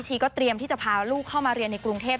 เตรียมที่จะพาลูกเข้ามาเรียนในกรุงเทพ